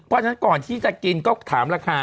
เพราะฉะนั้นก่อนที่จะกินก็ถามราคา